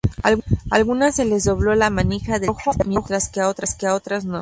A algunas se les dobló la manija del cerrojo, mientras que a otras no.